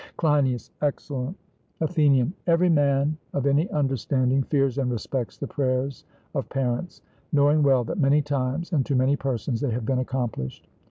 CLEINIAS: Excellent. ATHENIAN: Every man of any understanding fears and respects the prayers of parents, knowing well that many times and to many persons they have been accomplished.